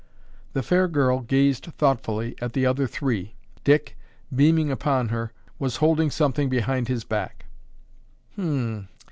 The fair girl gazed thoughtfully at the other three. Dick, beaming upon her, was holding something behind his back.